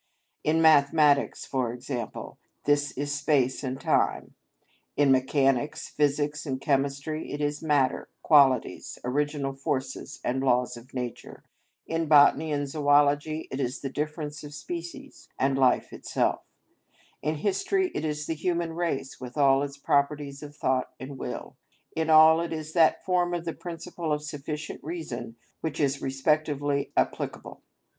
In mathematics, for example, this is space and time; in mechanics, physics, and chemistry it is matter, qualities, original forces and laws of nature; in botany and zoology it is the difference of species, and life itself; in history it is the human race with all its properties of thought and will: in all it is that form of the principle of sufficient reason which is respectively applicable.